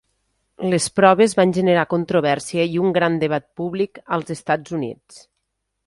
Les proves van generar controvèrsia i un gran debat públic als Estats Units.